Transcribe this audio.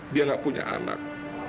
dia gak punya anak